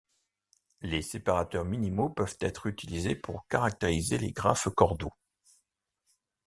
Les séparateurs minimaux peuvent être utilisés pour caractériser les graphes cordaux.